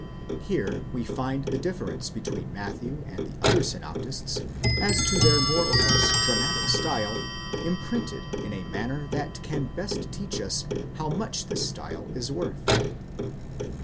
Here we find the difference between Matthew and the other synoptists, as to their more or less dramatic style, imprinted in a manner that can best teach us how much this style is worth.